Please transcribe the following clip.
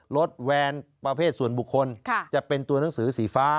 แวนประเภทส่วนบุคคลจะเป็นตัวหนังสือสีฟ้า